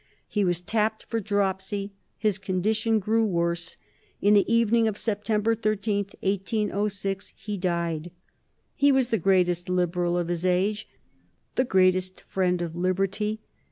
He was tapped for dropsy; his condition grew worse; in the evening of September 13, 1806, he died. He was the greatest liberal of his age; the greatest friend of liberty.